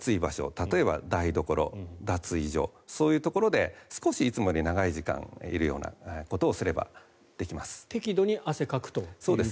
例えば台所、脱衣所そういうところで少しいつもより長い時間いるようなことをすればできます。